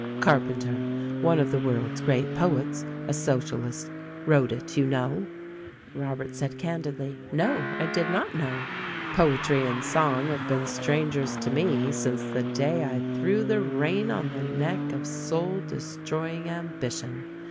Carpenter, one of the world's great poets, a Socialist, wrote it, you know." Robert said candidly : "No, I did not know. Poetry and song have been strangers to me since the day I threw the rein on the neck of soul destroying ambition.